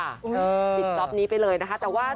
ติดตัวนี้ไปเลยนะคะ